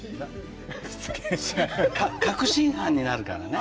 確信犯になるからね。